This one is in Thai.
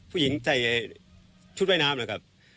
ผู้หญิงใส่ชุดว่ายน้ำนะครับ